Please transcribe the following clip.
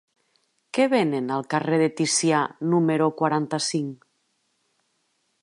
Què venen al carrer de Ticià número quaranta-cinc?